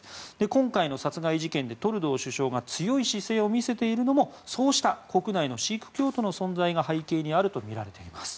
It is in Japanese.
今回の殺害事件でトルドー首相が強い姿勢を見せているのもそうした国内のシーク教徒の存在が背景にあるとみられています。